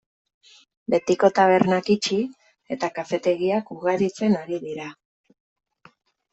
Betiko tabernak itxi eta kafetegiak ugaritzen ari dira.